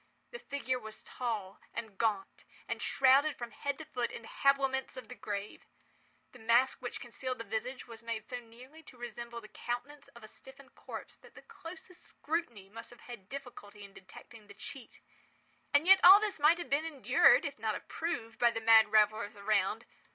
The figure was tall and gaunt, and shrouded from head to foot in the habiliments of the grave. The mask which concealed the visage was made so nearly to resemble the countenance of a stiffened corpse that the closest scrutiny must have had difficulty in detecting the cheat. And yet all this might have been endured, if not approved, by the mad revellers around.